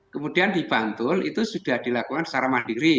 kemudian di bantul itu sudah dilakukan secara mandiri